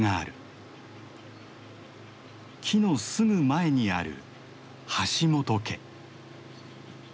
木のすぐ前にある橋本家。